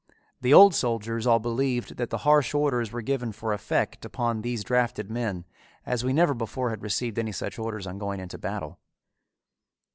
The old soldiers all believed that the harsh orders were given for effect upon these drafted men, as we never before had received any such orders on going into battle.